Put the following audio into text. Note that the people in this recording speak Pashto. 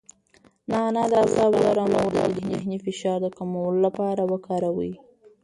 نعناع د اعصابو د ارامولو او د ذهني فشار د کمولو لپاره وکاروئ.